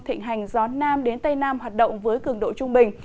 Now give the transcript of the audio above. thịnh hành gió nam đến tây nam hoạt động với cường độ trung bình